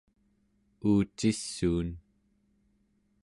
uucissuun